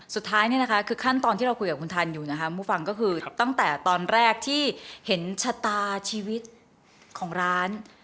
สุดท้ายเนี่ยนะคะคือขั้นตอนที่เราคุยกับคุณทันอยู่นะคะผู้ฟังก็คือตั้งแต่ตอนแรกที่เห็นชะตาชีวิตของร้าน